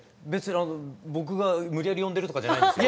僕が無理やり呼んでるとかじゃないですよ。